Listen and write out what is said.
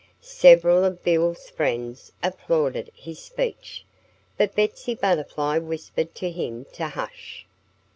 Several of Bill's friends applauded his speech. But Betsy Butterfly whispered to him to hush.